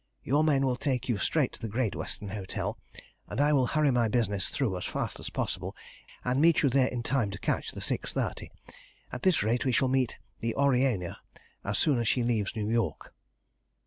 Your men will take you straight to the Great Western Hotel, and I will hurry my business through as fast as possible, and meet you there in time to catch the 6.30. At this rate we shall meet the Aurania soon after she leaves New York."